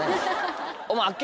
お前。